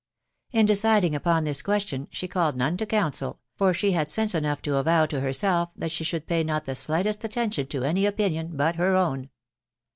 In deciding upon this question, she called none to counsel, for she had sense enough to avow to herself that she should pay not the slightest atten tion to any opinion but her own.